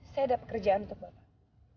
saya ada pekerjaan untuk bapak